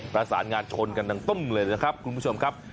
ประสานงานชนกันดังตุ้มเลยนะครับคุณผู้ชมครับ